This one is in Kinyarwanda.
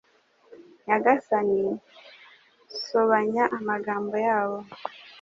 Nyagasani sobanya amagambo yabo